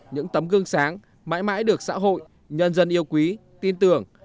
những tấm gương sáng mãi mãi được xã hội nhân dân yêu quý tin tưởng